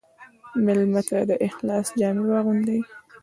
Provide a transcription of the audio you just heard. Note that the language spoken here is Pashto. مېلمه ته د اخلاص جامې واغوندې.